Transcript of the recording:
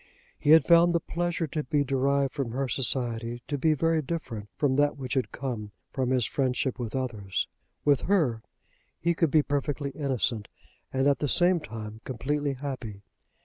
He had found the pleasure to be derived from her society to be very different from that which had come from his friendship with others. With her he could be perfectly innocent, and at the same time completely happy.